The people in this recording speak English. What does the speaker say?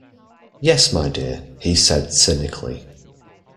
Yes my dear, he said cynically.